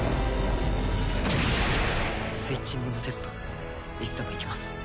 スイッチングのテストいつでもいけます。